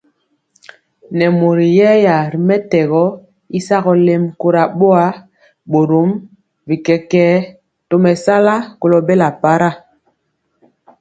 Nɛ mori yɛya ri mɛtɛgɔ y sagɔ lɛmi kora boa, borom bi kɛkɛɛ tomesala kolo bela para.